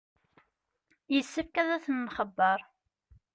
Yessefk ad ten-nxebbeṛ.